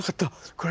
これ！